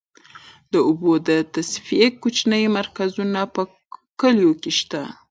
د اوبو د تصفیې کوچني مرکزونه په کليو کې شته.